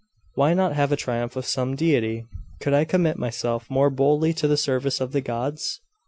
Why not have a triumph of some deity? Could I commit myself more boldly to the service of the gods!